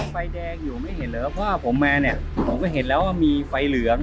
ไฟแดงอยู่ไม่เห็นเหรอเพราะว่าผมมาเนี่ยผมก็เห็นแล้วว่ามีไฟเหลือง